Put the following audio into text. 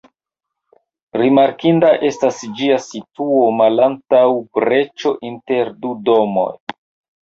Rimarkinda estas ĝia situo malantaŭ breĉo inter du domoj.